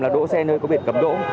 là đỗ xe nơi có biển cấm đỗ